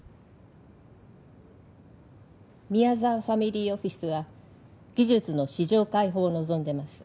宮沢ファミリーオフィスは技術の市場開放を望んでます